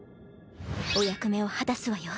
お役目を果たすわよ。